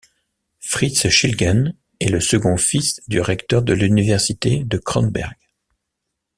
Fritz Schilgen est le second fils du recteur de l'université de Kronberg.